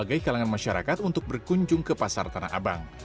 sebagai kalangan masyarakat untuk berkunjung ke pasar tanah abang